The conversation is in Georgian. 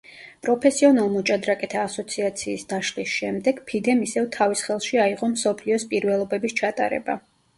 პროფესიონალ მოჭადრაკეთა ასოციაციის დაშლის შემდეგ ფიდემ ისევ თავის ხელში აიღო მსოფლიოს პირველობების ჩატარება.